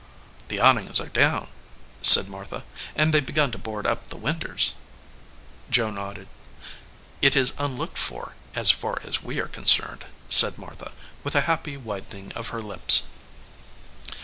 "The awnin s are down," said Martha, "and they ve begun to board up the winders." Joe nodded. "It is unlocked for, as far as we are concerned," said Martha, with a happy widening of her lips.